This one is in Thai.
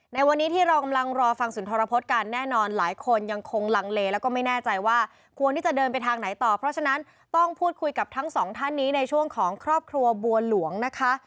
ในวันนี้ที่เรากำลังรอฟังสุนทรพฤษกันแน่นอนหลายคนยังคงลังเลแล้วก็ไม่แน่ใจว่าควรที่จะเดินไปทางไหนต่อเพราะฉะนั้นต้องพูดคุยกับทั้งสองท่านนี้ในช่วงของครอบครัวบัวหลวงนะคะ